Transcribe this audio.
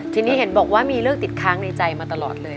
ทีนี้เห็นบอกว่ามีเรื่องติดค้างในใจมาตลอดเลย